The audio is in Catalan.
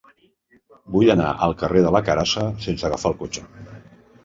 Vull anar al carrer de la Carassa sense agafar el cotxe.